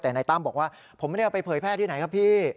แต่นายตั้มบอกว่าผมไม่ได้เอาไปเผยแพร่ที่ไหนครับพี่